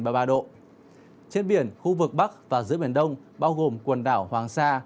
trên biển khu vực bắc và giữa biển đông bao gồm quần đảo hoàng sa